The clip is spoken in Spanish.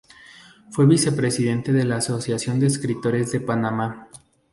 Fue vicepresidente de la Asociación de Escritores de Panamá.